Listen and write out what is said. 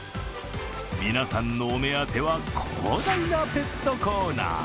皆さんのお目当ては広大なペットコーナー。